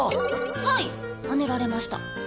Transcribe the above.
はいはねられました。